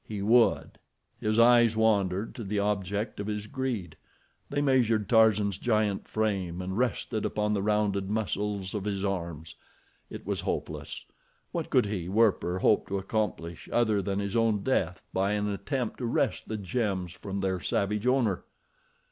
He would! His eyes wandered to the object of his greed. They measured Tarzan's giant frame, and rested upon the rounded muscles of his arms. It was hopeless. What could he, Werper, hope to accomplish, other than his own death, by an attempt to wrest the gems from their savage owner?